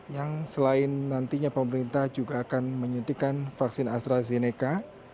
yang selain nantinya pemerintah juga akan menyuntikan vaksin astrazeneca